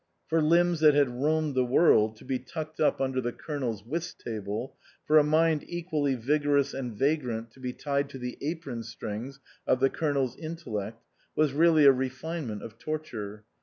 For limbs that had roamed the world to be tucked up under the Colonel's whist table, for a mind equally vigorous and vagrant to be tied to the apron strings of the Colonel's intel lect, was really a refinement of torture.